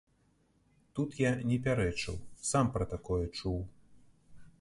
Тут я не пярэчыў, сам пра такое чуў.